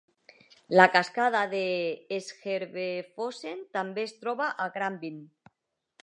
La cascada de Skjervefossen també es troba a Granvin.